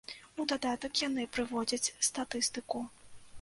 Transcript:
У дадатак яны прыводзяць статыстыку.